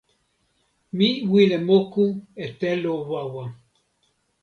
mi wile moku e telo wawa.